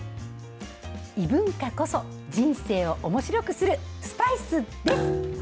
異文化こそ、人生をおもしろくするスパイスです。